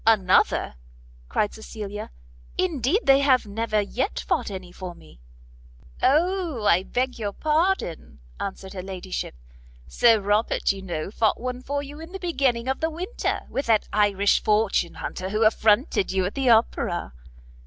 "Another?" cried Cecilia; "indeed they have never yet fought any for me." "O, I beg your pardon," answered her ladyship, "Sir Robert, you know, fought one for you in the beginning of the winter, with that Irish fortune hunter who affronted you at the Opera."